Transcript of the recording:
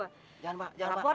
jangan jangan jangan jangan